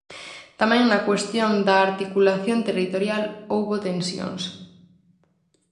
Tamén na cuestión da articulación territorial houbo tensións.